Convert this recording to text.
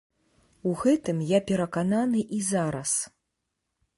У гэтым я перакананы і зараз.